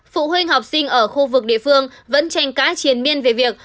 phụ huynh học sinh ở khu vực địa phương vẫn tranh cãi triển miên về việc